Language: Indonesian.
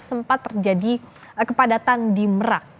sempat terjadi kepadatan di merak